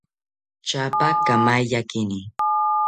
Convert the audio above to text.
Tyapa kamaiyakini